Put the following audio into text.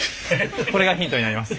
これがヒントになります。